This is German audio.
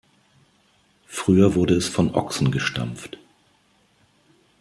Früher wurde es von Ochsen gestampft.